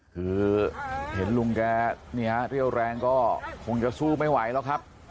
คือเห็นลุงแกเรี่ยวแรงก็คงจะสู้ไม่ไหวแล้วครับ